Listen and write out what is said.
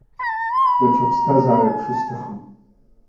Даҽа ԥсҭазаарак шысҭахым!